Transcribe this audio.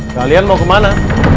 kalian mau kemana